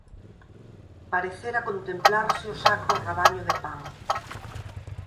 Parecera contemplarse o sacro rabaño de Pan.